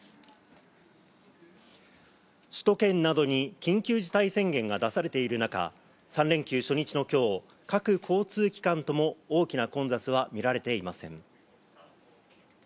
首都圏などに緊急事態宣言が出されている中、３連休初日の今日、各交通機関とも大きな混雑は見られていません。